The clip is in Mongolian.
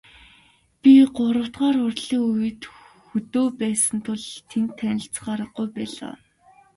Би гуравдугаар хурлын үед хөдөө байсан тул тэнд танилцах аргагүй байлаа.